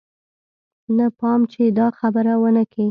نه پام چې دا خبره ونه کې.